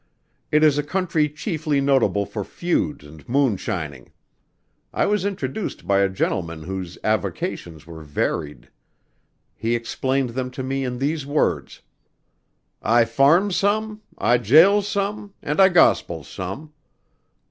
"It is a country chiefly notable for feuds and moon shining. I was introduced by a gentleman whose avocations were varied. He explained them to me in these words, 'I farms some; I jails some an' I gospels some.'